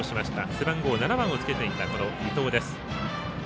背番号７番をつけていた伊藤です。